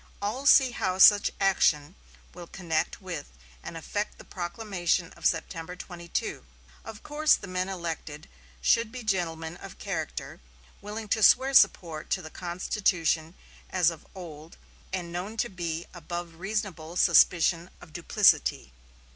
All see how such action will connect with and affect the proclamation of September 22. Of course the men elected should be gentlemen of character, willing to swear support to the Constitution as of old, and known to be above reasonable suspicion of duplicity."